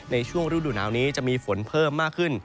ในช่วงฤดูหนาวนี้จะมีฝนเพิ่มมากขึ้น